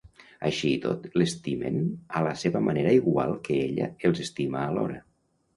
Així i tot, l'estimen a la seva manera igual que ella els estima alhora.